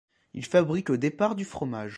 Il fabrique au départ du fromage.